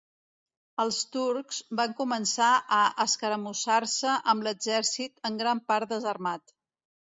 Els turcs van començar a escaramussar-se amb l'exèrcit en gran part desarmat